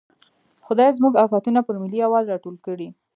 خدای زموږ افتونه پر ملي یوالي راټول کړي.